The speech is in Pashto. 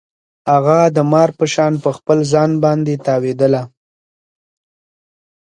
هغه د مار په شان په خپل ځان باندې تاوېدله.